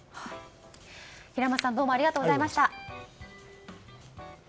平松さんどうもありがとうございました。